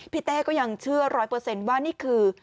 เต้ก็ยังเชื่อ๑๐๐ว่านี่คือ